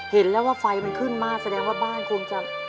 เห็นแล้วว่าไฟมันขึ้นมากแสดงว่าบ้านคงจะ